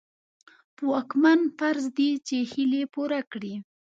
په واکمن فرض دي چې هيلې پوره کړي.